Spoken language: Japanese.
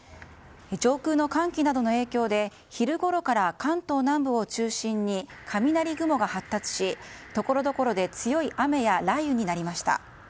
上空の寒気などの影響で昼ごろから関東南部を中心に雷雲が発達しところどころで強い雨や雷雨になりました。